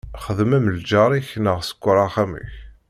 Xdem am lǧaṛ-ik, neɣ sekkeṛ axxam-ik!